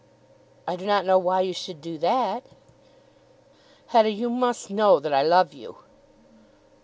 "I do not know why you should do that." "Hetta, you must know that I love you."